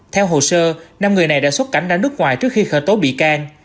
theo hồ sơ năm người này đã xuất cảnh ra nước ngoài trước khi khởi tố bị can